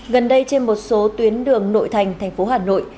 gần đây trên một số tuyến đường nội thành thành phố hà nội